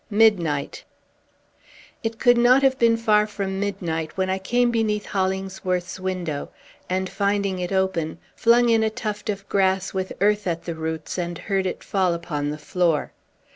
MIDNIGHT It could not have been far from midnight when I came beneath Hollingsworth's window, and, finding it open, flung in a tuft of grass with earth at the roots, and heard it fall upon the floor.